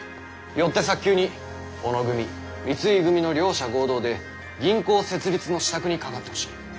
よって早急に小野組三井組の両者合同で銀行設立の支度にかかってほしい。